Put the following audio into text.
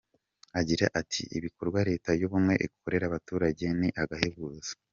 Agira ati “Ibikorwa Leta y’ubumwe ikorera abaturage ni agahebuzo.